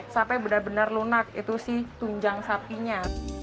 sampai benar benar lunak itu sih tunjang sapinya